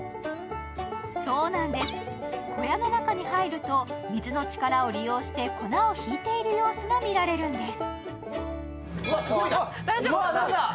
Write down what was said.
そうなんです、小屋の中に入ると水の力を利用して粉をひいている様子が見られるんです。